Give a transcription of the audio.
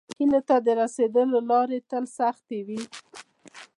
هیلو ته د راسیدلو لارې تل سختې وي.